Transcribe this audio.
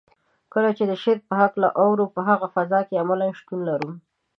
کله چې د شعر په هکله اورو په هغه فضا کې عملاً شتون لرو.